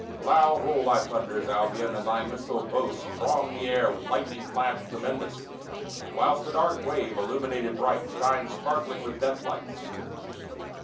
Loud roll thy thunders, Albion; and thy missile Boasts throng the air with lightning flash tremendous, Whilst the dark wave, illuminated bright, shines Sparkling with death lights.